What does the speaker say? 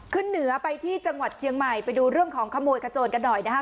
ขึ้นเหนือไปที่จังหวัดเชียงใหม่ไปดูเรื่องของขโมยขโจนกันหน่อยนะครับ